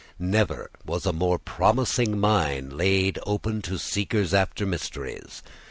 Never was a more promising mine laid open to seekers after mysteries.